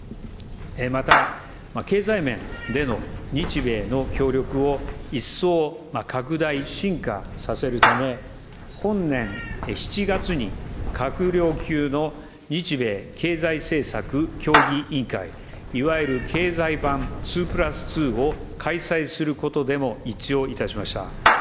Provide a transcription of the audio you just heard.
また、経済面での日米の協力を一層拡大深化させるため、本年７月に、閣僚級の日米経済政策協議委員会、いわゆる経済版２プラス２を開催することでも一致をいたしました。